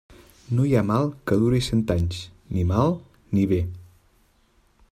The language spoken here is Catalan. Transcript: No hi ha mal que duri cent anys; ni mal, ni bé.